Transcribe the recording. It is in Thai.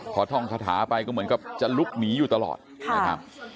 พอท่องคาถาไปก็เหมือนกับจะลุกหนีอยู่ตลอดนะครับ